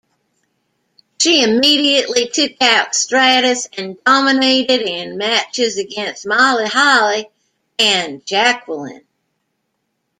She immediately took out Stratus and dominated in matches against Molly Holly and Jacqueline.